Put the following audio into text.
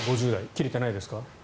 キレてないですか？